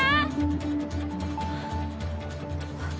あっ。